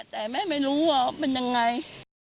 แต่แม่ไม่รู้ว่ามันยังไง